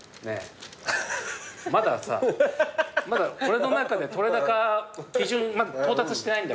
まだ俺の中で撮れ高基準到達してないんだから。